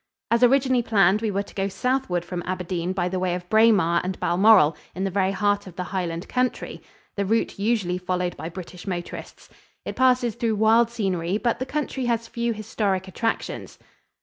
As originally planned we were to go southward from Aberdeen by the way of Braemar and Balmoral in the very heart of the Highland country the route usually followed by British motorists. It passes through wild scenery, but the country has few historic attractions.